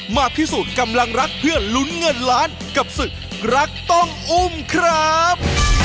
มาพิสูจน์กำลังรักเพื่อลุ้นเงินล้านกับศึกรักต้องอุ้มครับ